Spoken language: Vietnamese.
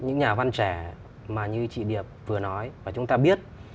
những nhà văn trẻ mà như chị điệp vừa nói và chúng ta biết